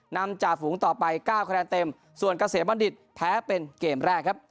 จ่าฝูงต่อไป๙คะแนนเต็มส่วนเกษมบัณฑิตแพ้เป็นเกมแรกครับ